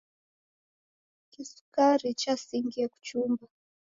Kisukari chasingie kuchumba.